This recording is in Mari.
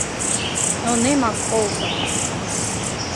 — Ынемак колто!